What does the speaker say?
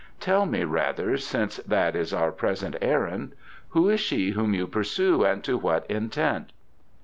Tell me rather, since that is our present errand, who is she whom you pursue and to what intent?"